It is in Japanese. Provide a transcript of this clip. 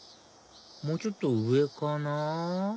もうちょっと上かな？